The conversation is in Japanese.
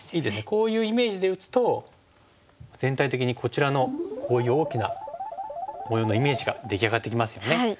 こういうイメージで打つと全体的にこちらのこういう大きな模様のイメージが出来上がってきますよね。